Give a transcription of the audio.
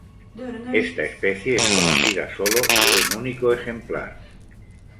Esta especie es conocida sólo de un único ejemplar.